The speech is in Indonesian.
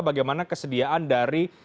bagaimana kesediaan dari